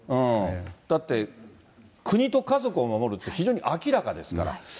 だって、国と家族を守るって、非常に明らかですから。